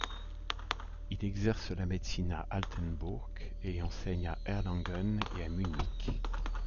Il exerce la médecine à Altenbourg et enseigne à Erlangen et à Munich.